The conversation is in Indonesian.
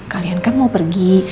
kalian kan mau pergi